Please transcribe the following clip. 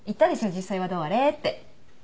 実際はどうあれって。